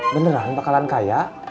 beneran bakalan kaya